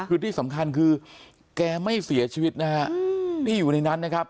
คือที่สำคัญคือแกไม่เสียชีวิตนะฮะนี่อยู่ในนั้นนะครับ